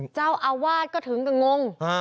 เจ้าอาวาสก็ถึงกับงง